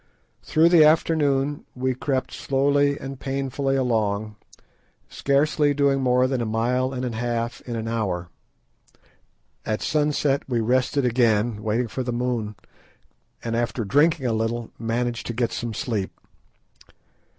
Through the afternoon we crept slowly and painfully along, scarcely doing more than a mile and a half in an hour. At sunset we rested again, waiting for the moon, and after drinking a little managed to get some sleep.